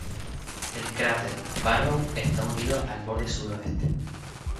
El cráter Barrow está unido al borde suroeste.